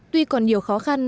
tuy còn nhiều khó khăn